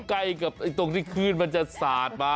ใกล้กับตรงที่ขึ้นมันจะสาดมา